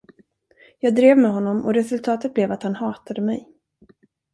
Jag drev med honom och resultatet blev att han hatade mig.